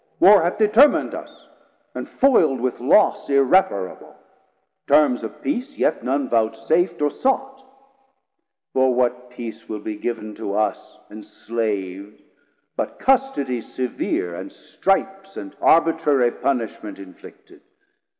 Warr hath determin'd us, and foild with loss 330 Irreparable; tearms of peace yet none Voutsaf't or sought; for what peace will be giv'n To us enslav'd, but custody severe, And stripes, and arbitrary punishment Inflicted?